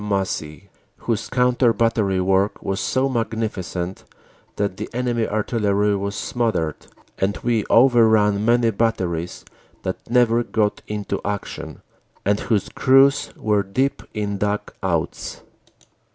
Massie, whose counter battery work was so magnificent that the enemy artillery was smothered, and we overran many batteries that 40 CANADA S HUNDRED DAYS never got into action and whose crews were deep in dug outs.